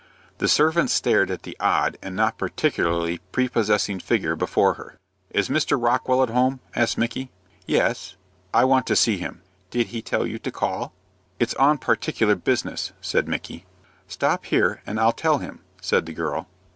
The servant stared at the odd and not particularly prepossessing figure before her. "Is Mr. Rockwell at home?" asked Micky. "Yes." "I want to see him." "Did he tell you to call?" "It's on particular business," said Micky. "Stop here and I'll tell him," said the girl.